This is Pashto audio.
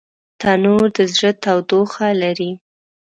تنور د زړه تودوخه لري